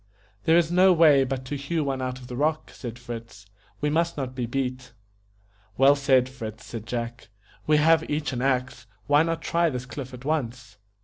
"There is no way but to hew one out of the rock", said Fritz, "we must not be beat." "Well said, Fritz," said Jack; "we have each an axe. Why not try this cliff at once?"